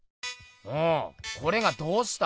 おおこれがどうした？